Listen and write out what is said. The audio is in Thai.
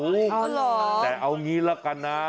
เอาเหรอแต่เอางี้ละกันนะ